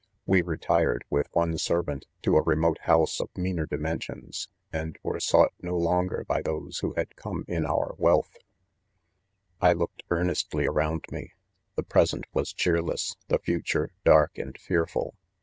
We retired with one servant^ to a remote house of meaner dimensions ; and were sought 110 lon ger by those T/ho had come in our wealth. THE CONFESSIONS. 47 a I looked earnestly around me 5 the present was cheerless, the future, dark and fearful.